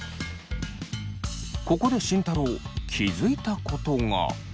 ここで慎太郎気付いたことが。